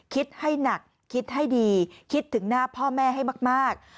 คิดให้หนักคิดให้ดีคิดถึงหน้าพ่อแม่ให้มาก